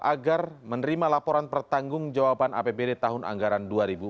agar menerima laporan pertanggung jawaban apbd tahun anggaran dua ribu empat belas dua ribu lima belas